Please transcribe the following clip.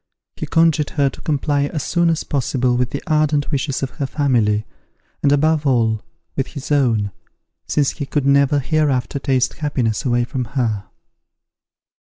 He conjured her to comply as soon as possible with the ardent wishes of her family, and above all, with his own, since he could never hereafter taste happiness away from her.